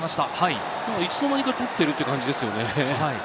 いつの間にか取っているという感じですね。